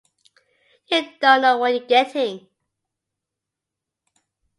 You don’t know what you’re getting.